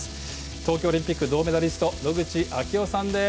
東京オリンピック、銅メダリスト野口啓代さんです。